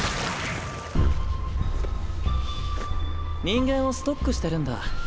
人間をストックしてるんだ。